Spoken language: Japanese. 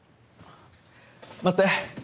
待って。